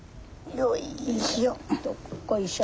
よいしょ。